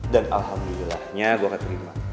dan alhamdulillahnya gue keterima